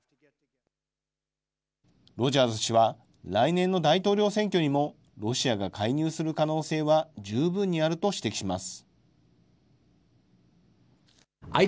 ロジャーズ氏は来年の大統領選挙にも、ロシアが介入する可能性は十分にあると指摘します。